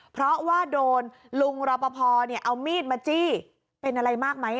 เพราะว่าโดนลุงรอปภเอามีดมาจี้เป็นอะไรมากไหม